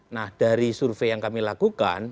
nah dari survei yang kami lakukan